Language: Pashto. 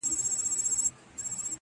• و باطل ته یې ترک کړئ عدالت دی,